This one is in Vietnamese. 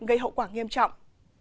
gây hậu quả nghiêm trọng